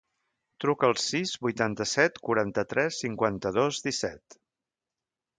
Truca al sis, vuitanta-set, quaranta-tres, cinquanta-dos, disset.